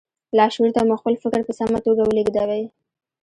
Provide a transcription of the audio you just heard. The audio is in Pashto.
لاشعور ته مو خپل فکر په سمه توګه ولېږدوئ